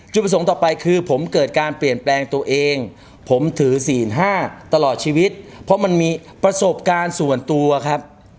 ประสงค์ต่อไปคือผมเกิดการเปลี่ยนแปลงตัวเองผมถือศีล๕ตลอดชีวิตเพราะมันมีประสบการณ์ส่วนตัวครับ